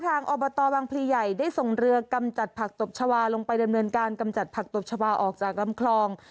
อบตวังพลีใหญ่ได้ส่งเรือกำจัดผักตบชาวาลงไปดำเนินการกำจัดผักตบชาวาออกจากลำคลอง